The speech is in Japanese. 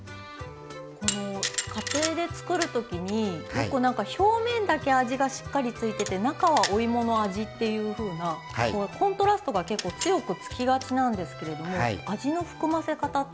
家庭で作る時によく表面だけ味がしっかりついてて中はお芋の味っていうふうなコントラストが結構強くつきがちなんですけれども味の含ませ方ってコツがあるんですか？